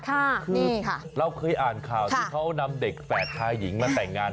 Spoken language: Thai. คือเราเคยอ่านข่าวที่เขานำเด็กแฝดชายหญิงมาแต่งงาน